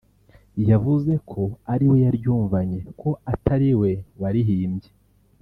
yavuze ko ariwe yaryumvanye ko atariwe warihimbye